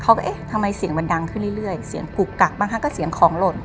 เขาก็เอ๊ะทำไมเสียงมันดังขึ้นเรื่อยเรื่อยเสียงกุกกักบ้างฮะก็เสียงคลองหล่น